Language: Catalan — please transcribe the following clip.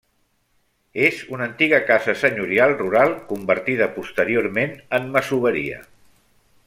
És una antiga casa senyorial rural convertida posteriorment en masoveria.